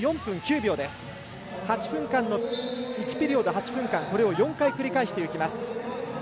１ピリオド８分間を４回繰り返していきます。